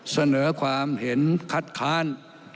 เสนอความเห็นคัดค้าน